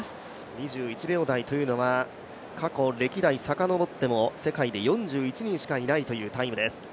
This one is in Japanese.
２１秒台というのは過去、歴代さかのぼっても、世界で４１人しかいないというタイムです。